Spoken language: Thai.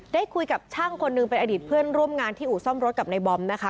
ได้คุยกับช่างคนหนึ่งเป็นอดีตเพื่อนร่วมงานที่อู่ซ่อมรถกับในบอมนะคะ